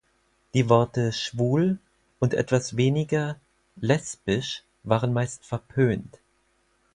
Die Worte "schwul" und etwas weniger "lesbisch" waren meist verpönt.